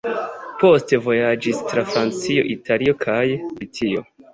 Poste vojaĝis tra Francio, Italio kaj Britio.